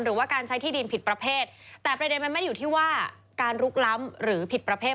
หรือว่าการใช้ที่ดินผิดประเภทแต่ประเด็นมันไม่ได้อยู่ที่ว่าการลุกล้ำหรือผิดประเภท